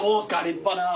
立派な。